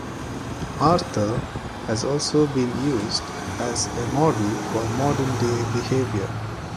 Arthur has also been used as a model for modern-day behaviour.